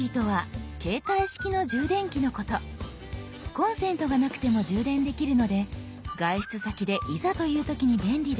コンセントがなくても充電できるので外出先でいざという時に便利です。